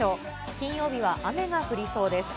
金曜日は雨が降りそうです。